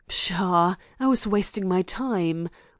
Pshaw! I was wasting my time.